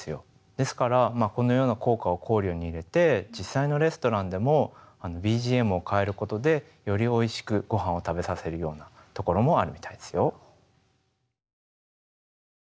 ですからこのような効果を考慮に入れて実際のレストランでもＢＧＭを変えることでよりおいしくごはんを食べさせるような所もあるみたいですよ。